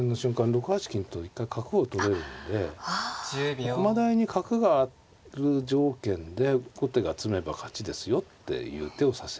６八金と一回角を取れるんで駒台に角がある条件で後手が詰めば勝ちですよっていう手を指せる。